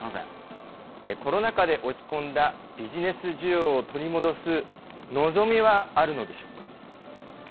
コロナ禍で落ち込んだ、ビジネス需要を取り戻す、のぞみはあるのでしょうか？